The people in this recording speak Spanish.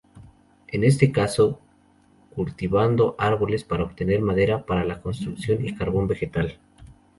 En este caso, cultivando árboles para obtener madera para la construcción y carbón vegetal.